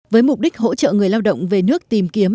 với mục đích hỗ trợ người lao động về nước tìm kiếm